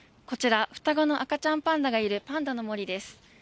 こちら、双子の赤ちゃんパンダがいるパンダのもりです。